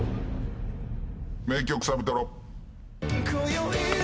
名曲サビトロ。